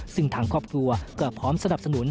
ซึ่งทางครอบครัวก็พร้อมสนับสนุน